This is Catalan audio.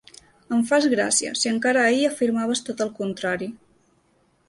Em fas gràcia! Si encara ahir afirmaves tot el contrari.